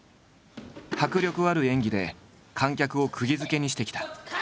迫力ある演技で観客をくぎづけにしてきた。